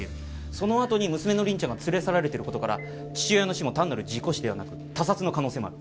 そのあとに娘の凛ちゃんが連れ去られてる事から父親の死も単なる事故死ではなく他殺の可能性もある。